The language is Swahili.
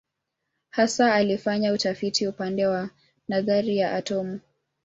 Hasa alifanya utafiti upande wa nadharia ya atomu.